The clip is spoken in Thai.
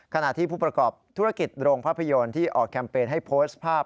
ขณะที่ผู้ประกอบธุรกิจโรงภาพยนตร์ที่ออกแคมเปญให้โพสต์ภาพ